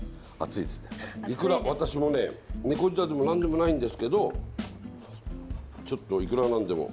いくら私もね猫舌でも何でもないんですけどちょっといくらなんでも熱すぎますね。